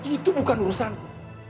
itu bukan urusanku